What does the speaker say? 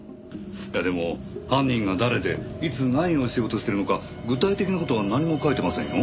でも犯人が誰でいつ何をしようとしているのか具体的な事は何も書いてませんよ？